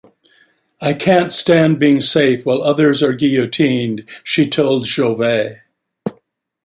"I can't stand being safe while others are guillotined", she told Jouvet.